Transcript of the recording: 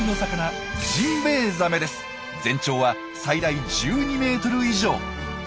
全長は最大１２ｍ以上。